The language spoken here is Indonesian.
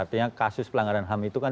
artinya kasus pelanggaran ham itu kan